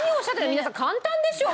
皆さん簡単でしょう！？